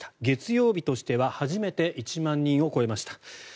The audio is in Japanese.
月曜日としては初めて１万人を超えました。